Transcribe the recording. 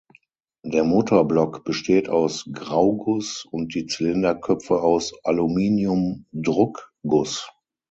Der Motorblock besteht aus Grauguss und die Zylinderköpfe aus Aluminium-Druckguss.